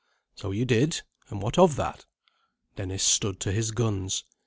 "So you did. And what of that?" Dennis stood to his guns.